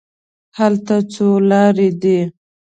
هلته څو لارې دي.